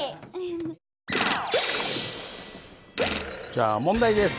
じゃあ問題です。